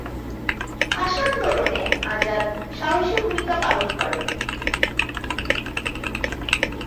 ভাষা আন্দোলনে আজাদ সাহসী ভূমিকা পালন করে।